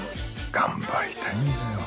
頑張りたいんだよ。